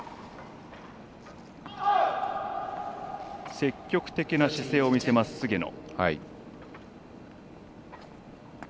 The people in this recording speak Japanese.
積極的な姿勢を見せます、菅野。